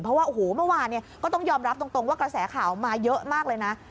เพราะว่าโอ้โหเมื่อวานก็ต้องยอมรับตรงว่ากระแสข่าวมาเยอะมากเลยนะ